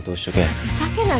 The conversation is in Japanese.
ふざけないで。